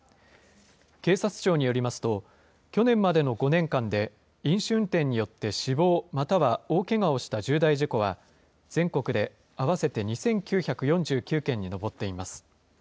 警察庁によりますと、去年までの５年間で、飲酒運転によって死亡、または大けがをした重大事故は、全国で合わせて２９４９件に上っています。